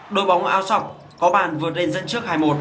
đội bóng ao sọc có bàn vượt lên dân trước hai một